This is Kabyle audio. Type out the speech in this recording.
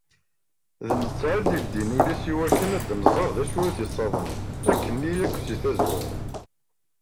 D netta i d-ildin ul-is i wakken ad nzeṛ d acu i t-issaḍnen akkenni yakk si tazwara.